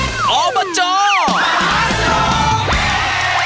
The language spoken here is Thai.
หน้าเป็นไงก็ไม่เหมือน